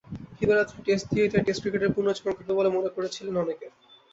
দিবারাত্রির test দিয়েই তাই test ক্রিকেটের পুনর্জাগরণ ঘটবে বলে মনে করছিলেন অনেকে।